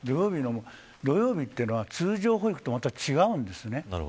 土曜日というのは通常保育とはまた違うんですね。